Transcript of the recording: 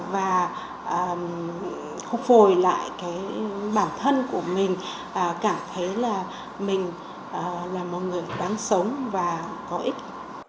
và khúc phồi lại bản thân của mình cảm thấy là mình là một người đáng sống và có ích